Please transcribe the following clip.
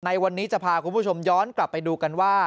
ในวันนี้จะพาคุณผู้ชมย้อนกลับไปดูกันว่า